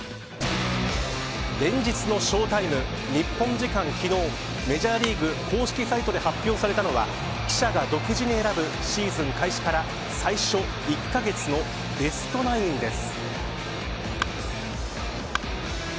連日のショータイム日本時間、昨日メジャーリーグ公式サイトで発表されたのは記者が独自に選ぶシーズン開始から最初の１カ月のベストナインです。